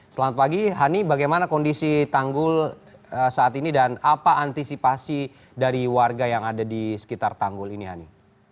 selamat pagi hani bagaimana kondisi tanggul saat ini dan apa antisipasi dari warga yang ada di sekitar tanggul ini hani